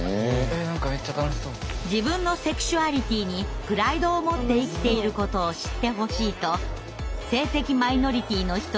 自分のセクシュアリティーにプライドをもって生きていることを知ってほしいと性的マイノリティーの人や支援者たちが街を練り歩きます。